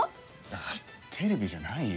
だからテレビじゃないよ。